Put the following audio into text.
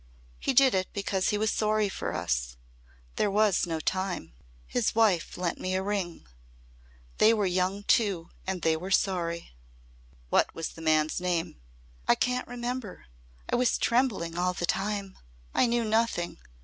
He did it because he was sorry for us. There was no time. His wife lent me a ring. They were young too and they were sorry." "What was the man's name?" "I can't remember. I was trembling all the time. I knew nothing.